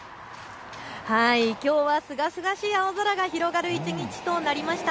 きょうはすがすがしい青空が広がる一日となりました。